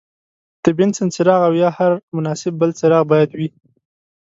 د بنسن څراغ او یا هر مناسب بل څراغ باید وي.